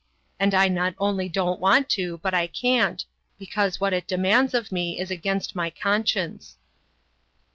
And I not only don't want to, but I can't, because what it demands of me is against my conscience.